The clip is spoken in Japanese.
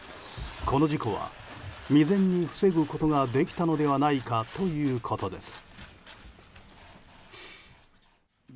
この事故は未然に防ぐことができたのではないかということです。